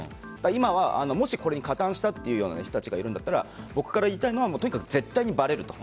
今もしこれに加担したという人たちがいるんだったら僕から言いたいのはとにかく絶対にばれると